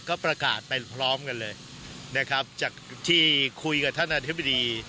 ก็ประกาศไปพร้อมกันเลยนะครับจากที่คุยกับท่านอธิบดี